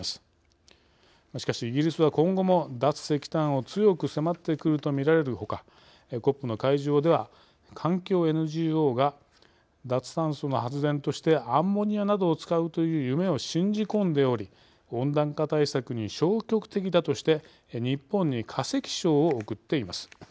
しかしイギリスは今後も脱石炭を強く迫ってくるとみられるほかＣＯＰの会場では環境ＮＧＯが「脱炭素の発電としてアンモニアなどを使うという夢を信じ込んでおり温暖化対策に消極的だ」として日本に化石賞をおくっています。